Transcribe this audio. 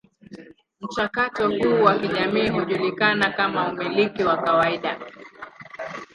Mchakato huu wa kijamii hujulikana kama umiliki wa kawaida.